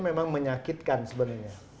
memang menyakitkan sebenarnya